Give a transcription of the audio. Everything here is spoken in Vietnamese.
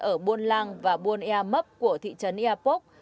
ở buôn lang và buôn airpoc của thị trấn airpoc